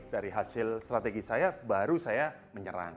dari hasil strategi saya baru saya menyerang